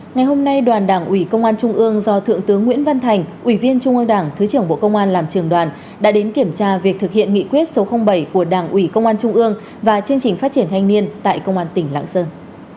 ngày hôm nay đoàn đảng ủy công an trung ương do thượng tướng nguyễn văn thành ủy viên trung ương đảng thứ trưởng bộ công an làm trường đoàn đã đến kiểm tra việc thực hiện nghị quyết số bảy của đảng ủy công an trung ương và chương trình phát triển thanh niên tại công an tỉnh lạng sơn